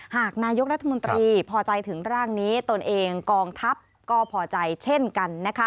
หากนายกรัฐมนตรีพอใจถึงร่างนี้ตนเองกองทัพก็พอใจเช่นกันนะคะ